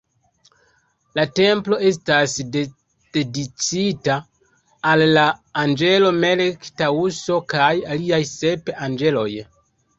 La templo estas dediĉita al la anĝelo Melek-Taŭso kaj aliaj sep anĝeloj.